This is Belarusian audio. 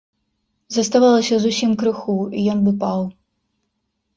Заставалася зусім крыху, і ён бы паў.